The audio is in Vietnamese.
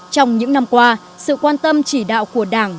trong những năm qua sự quan tâm chỉ đạo của đảng